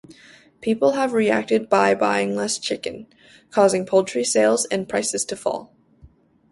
People have reacted by buying less chicken, causing poultry sales and prices to fall.